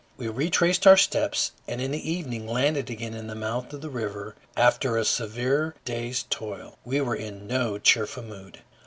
We retraced our steps, and in the evening landed again at the mouth of the river after a severe day's toil. We were in no cheerful mood.